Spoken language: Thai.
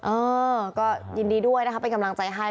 เออก็ยินดีด้วยนะคะเป็นกำลังใจให้